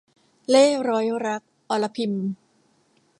เล่ห์ร้อยรัก - อรพิม